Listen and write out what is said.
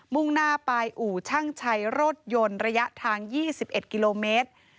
่งหน้าไปอู่ช่างชัยรถยนต์ระยะทาง๒๑กิโลเมตร